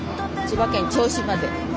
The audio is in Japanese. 千葉県銚子まで。